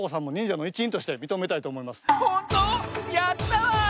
やったわ！